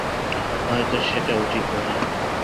হয়তো সেটা উচিত নহে।